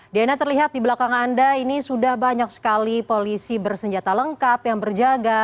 diana terlihat di belakang anda ini sudah banyak sekali polisi bersenjata lengkap yang berjaga